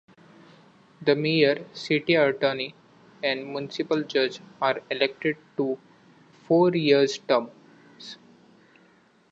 The mayor, city attorney, and municipal judge are elected to four-year terms.